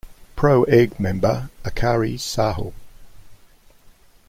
Pro Egg member Akari Saho.